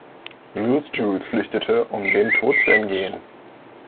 Louis-Jules flüchtete, um dem Tod zu entgehen.